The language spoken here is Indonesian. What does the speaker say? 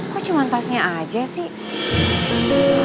kok cuma tasnya aja sih